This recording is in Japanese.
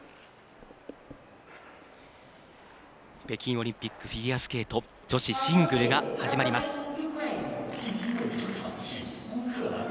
北京オリンピックフィギュアスケート女子シングルが始まります。